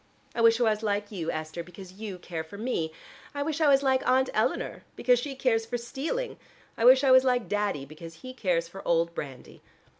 I wish I was like you, Esther, because you care for me: I wish I was like Aunt Eleanor because she cares for stealing. I wish I was like Daddy because he cares for old brandy.